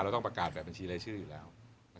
เราต้องประกาศแบบบัญชีไร้ชื่ออยู่แล้วครับ